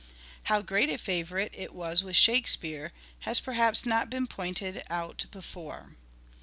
How great a favourite it was with " Shakespeare," has perhaps not been pointed out before.